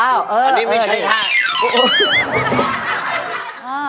อันนี้ไม่ใช่ท่า